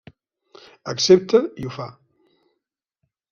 Accepta i ho fa.